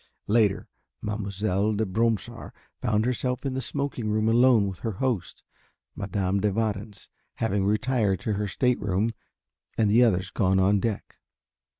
Later Mademoiselle de Bromsart found herself in the smoking room alone with her host, Madame de Warens having retired to her state room and the others gone on deck.